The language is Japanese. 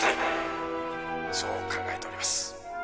「そう考えております」